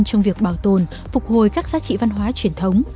trong việc bảo tồn phục hồi các giá trị văn hóa truyền thống